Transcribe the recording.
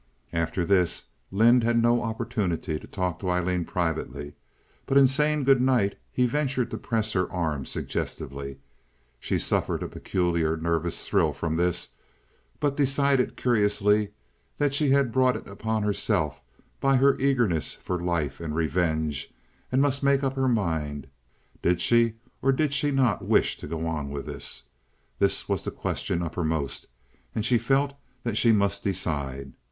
After this Lynde had no opportunity to talk to Aileen privately; but in saying good night he ventured to press her arm suggestively. She suffered a peculiar nervous thrill from this, but decided curiously that she had brought it upon herself by her eagerness for life and revenge, and must make up her mind. Did she or did she not wish to go on with this? This was the question uppermost, and she felt that she must decide.